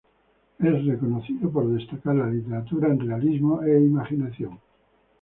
Es reconocido por destacar la literatura en realismo e imaginación.